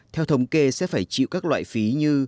theo thống kê sẽ phải chịu các loại phí như